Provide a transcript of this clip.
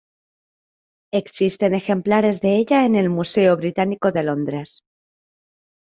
Existen ejemplares de ella en el Museo Británico de Londres.